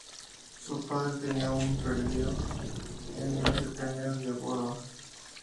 Su padre tenía un predio en las cercanías de Boroa.